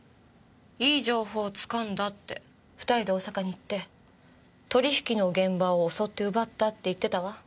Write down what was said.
いい情報をつかんだって２人で大阪に行って取引の現場を襲って奪ったって言ってたわ。